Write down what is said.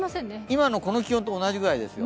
今のこの気温と同じぐらいですよ。